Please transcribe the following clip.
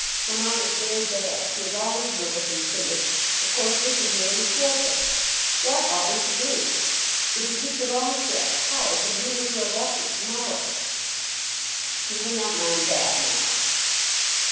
Mamma is very bad. She is always nervous and timid. Of course this has nearly killed her. What ought we to do? It is Mr. Longestaffe's house, and we were to have left it to morrow." "He will not mind that now."